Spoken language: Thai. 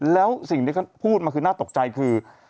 แล้วสิ่งที่เขาพูดมาคือน่าตกใจคือ